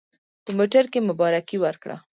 په موټر کې مبارکي ورکړه.